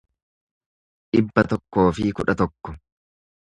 dhibba tokkoo fi kudha tokko